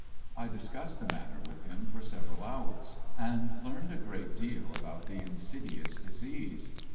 I discussed the matter with him for several hours, and learned a great deal about the insidious disease.